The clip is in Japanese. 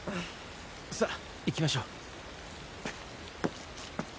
さ行きましょう。